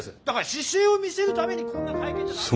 だから姿勢を見せるためにこんな会見じゃ。